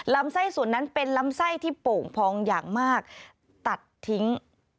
ลำไส้ส่วนนั้นเป็นลำไส้ที่โป่งพองอย่างมากตัดทิ้ง